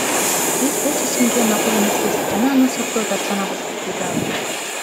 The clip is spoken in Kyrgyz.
Биз бул чечимге макул эмеспиз жана аны сотто даттанабыз, — деди ал.